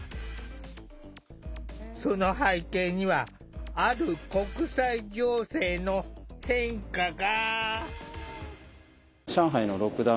その背景にはある国際情勢の変化が。